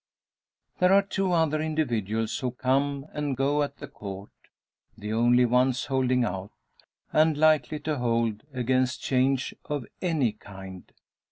There are two other individuals, who come and go at the Court the only ones holding out, and likely to hold, against change of any kind.